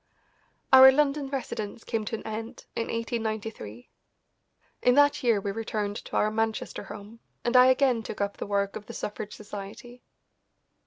Our London residence came to an end in 1893. In that year we returned to our Manchester home, and I again took up the work of the Suffrage Society.